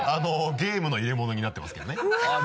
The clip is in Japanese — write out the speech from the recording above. ゲームの入れ物になってますけどね。